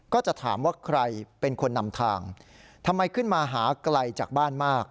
ก็จะถามว่าใครเป็นคนนำทางทำไมขึ้นมาหาไกลจากบ้านมาก